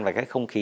và cái không khí